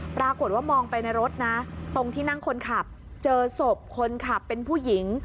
ปรากฏว่ามองไปในรถนะตรงที่นั่งคนขับเจอศพคนขับเป็นผู้หญิง